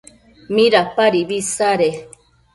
¿midapadibi isade?